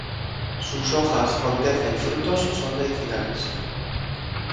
Sus hojas, corteza y frutos son medicinales.